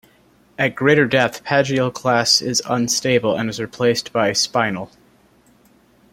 At greater depth plagioclase is unstable and is replaced by spinel.